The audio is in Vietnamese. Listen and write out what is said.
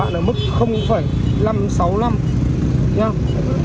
nồng độ cồn của bạn là mức năm trăm sáu mươi năm mg